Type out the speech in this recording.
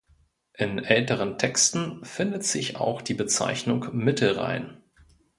In älteren Texten findet sich auch die Bezeichnung "Mittelrhein".